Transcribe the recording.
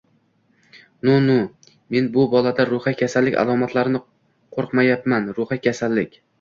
— Nu-nu! Men bu bolada ruhiy kasallik alomatlarini qo‘ryapman, ruhiy kasallik!